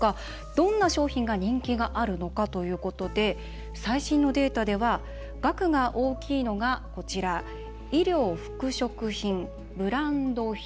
どんな商品が人気があるのかということで最新のデータでは額が大きいのがこちら、衣料・服飾品ブランド品